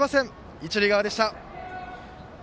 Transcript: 一塁側でした。